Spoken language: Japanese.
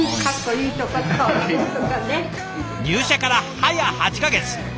入社から早８か月。